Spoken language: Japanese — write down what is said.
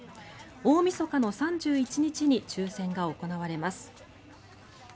大みそかの３１日に抽選が行われます。